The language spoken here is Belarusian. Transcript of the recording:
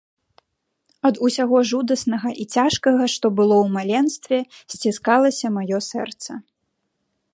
Ад усяго жудаснага і цяжкага, што было ў маленстве, сціскалася маё сэрца.